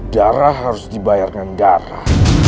darah harus dibayarkan darah